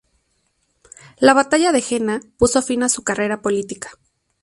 La Batalla de Jena puso fin a su carrera política.